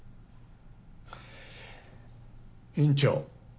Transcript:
院長。